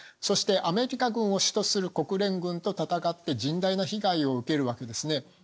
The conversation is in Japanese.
そしてアメリカ軍を主とする国連軍と戦って甚大な被害を受けるわけですね。